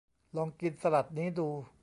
ลองกินสลัดนี้ดู